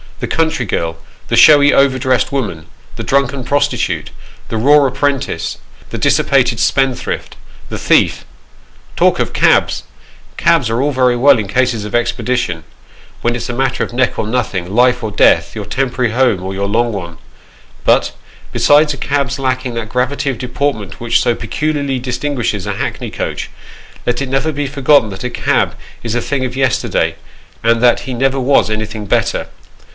The country girl the showy, over dressed woman the drunken prostitute ! The raw apprentice the dissipated spendthrift the thief! Talk of cabs 1 Cabs are all very well in cases of expedition, when it's a matter of neck or nothing, life or death, your temporary home or Doctors' Commons. 63 your long one. But, besides a cab's lacking that gravity of deport ment which so peculiarly distinguishes a hackney coach, let it never be forgotten that a cab is a thing of yesterday, and that ho never was anything better.